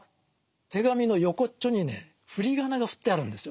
手紙の横っちょにね振り仮名が振ってあるんですよ